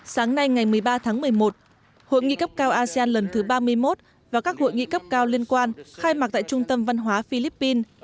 sáng nay ngày một mươi ba tháng một mươi một hội nghị cấp cao asean lần thứ ba mươi một và các hội nghị cấp cao liên quan khai mạc tại trung tâm văn hóa philippines